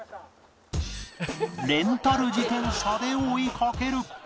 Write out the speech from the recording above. レンタル自転車で追いかける